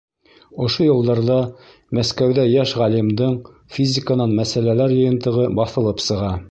Ошо йылдарҙа Мәскәүҙә йәш ғалимдың физиканан мәсьәләләр йыйынтығы баҫылып сыға.